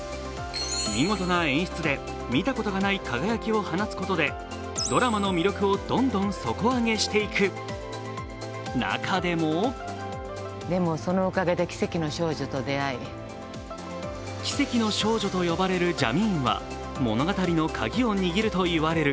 見事な演出で見たことがない輝きを放つことでドラマの魅力をどんどん底上げしていく中でも奇跡の少女とよばれるジャミーンは物語のカギ握ると言われる。